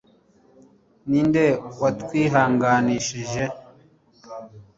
Ninde watwihanganishije